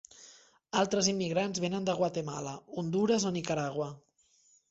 Altres immigrants vénen de Guatemala, Hondures o Nicaragua.